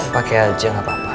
pakai aja gak apa apa